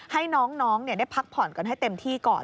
ให้น้องได้พักผ่อนกันให้เต็มที่ก่อน